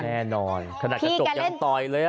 แน่นอนเพราะกระจกยังต้อยเลย